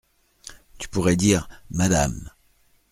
Tu pourrais dire : «Madame».